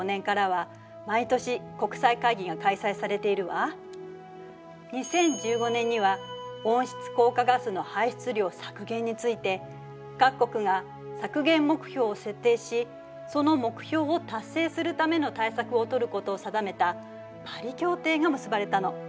そう２０１５年には温室効果ガスの排出量削減について各国が削減目標を設定しその目標を達成するための対策をとることを定めた「パリ協定」が結ばれたの。